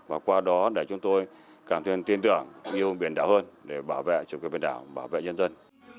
và qua đó để chúng tôi càng thương tuyên tưởng như biển đảo hơn để bảo vệ chủ quyền biển đảo bảo vệ nhân dân